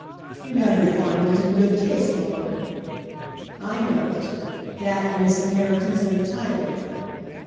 "You have refinement and good taste, mother." "I know it; that and this inheritance and the title."